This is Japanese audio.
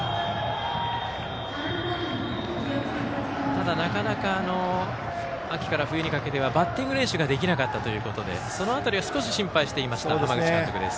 ただ、なかなか秋から冬にかけてはバッティング練習ができなかったということでその辺りは少し心配していました浜口監督です。